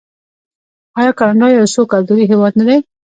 آیا کاناډا یو څو کلتوری هیواد نه دی؟